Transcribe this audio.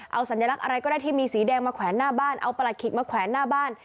เอาสัญลักษณ์อะไรก็ได้ที่มีสีแดงมาแขวนหน้าบ้านเอาปลาขิกมาแขวนหน้าบ้าน